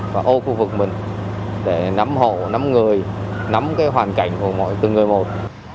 và ô khu vực mình để nắm hồ nắm người nắm cái hoàn cảnh của mọi người từng người một